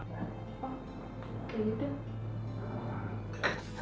sebelum semuanya menjadi kacau